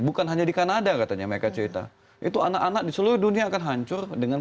bukan hanya di kanada katanya mereka cerita itu anak anak di seluruh dunia akan hancur dengan